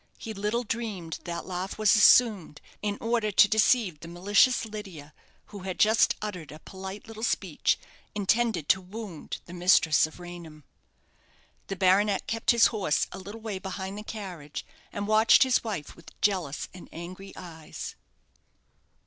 He little dreamed that laugh was assumed, in order to deceive the malicious Lydia, who had just uttered a polite little speech, intended to wound the mistress of Raynham. The baronet kept his horse a little way behind the carriage, and watched his wife with jealous and angry eyes.